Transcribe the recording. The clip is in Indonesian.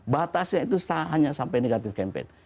batasnya itu hanya sampai negatif campaign